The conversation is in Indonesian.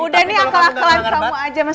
udah nih akal akalan kamu aja mas